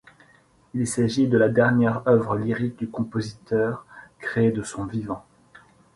Il s’agit de la dernière œuvre lyrique du compositeur créée de son vivant.